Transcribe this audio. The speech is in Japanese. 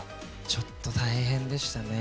ちょっと大変でしたね。